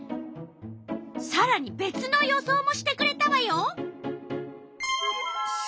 さらにべつの予想もしてくれたわよ。